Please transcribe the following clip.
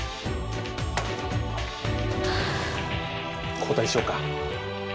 交たいしようか。